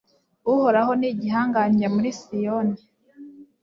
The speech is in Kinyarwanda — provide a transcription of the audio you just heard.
Uhoraho ni igihangange muri Siyoni